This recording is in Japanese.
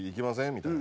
みたいな。